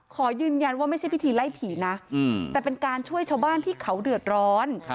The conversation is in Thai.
ขอยืนยันว่าไม่ใช่พิธีไล่ผีนะแต่เป็นการช่วยชาวบ้านที่เขาเดือดร้อน